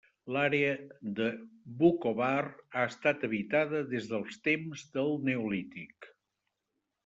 L'àrea de Vukovar ha estat habitada des dels temps del neolític.